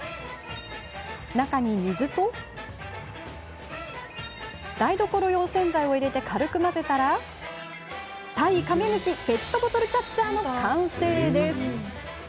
中に、水と台所用洗剤を入れて軽く混ぜたら対カメムシペットボトルキャッチャーの完成です。